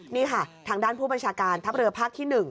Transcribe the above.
นี่ค่ะทางด้านผู้บัญชาการทัพเรือภาคที่๑